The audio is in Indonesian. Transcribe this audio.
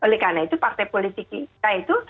oleh karena itu partai politik kita itu